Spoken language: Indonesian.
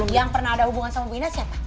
yang pernah ada hubungan sama bu ina siapa